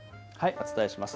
お伝えします。